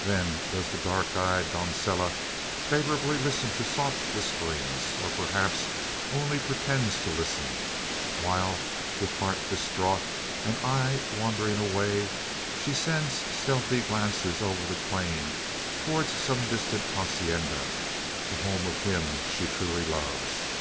Then does the dark eyed doncella favourably listen to soft whisperings; or perhaps only pretends to listen, while, with heart distraught, and eye wandering away, she sends stealthy glances over the plain towards some distant hacienda the home of him she truly loves.